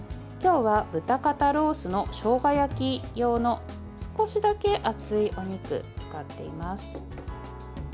今日は豚肩ロースのしょうが焼き用の少しだけ厚いお肉を使っています。